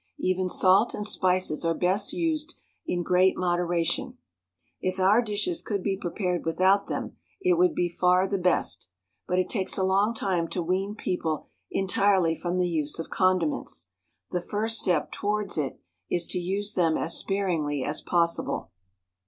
Even salt and spices are best used in great moderation; if our dishes could be prepared without them it would be far the best; but it takes a long time to wean people entirely from the use of condiments; the first step towards it is to use them as sparingly as possible.